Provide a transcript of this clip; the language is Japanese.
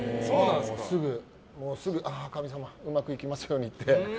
すぐ、神様うまくいきますようにって。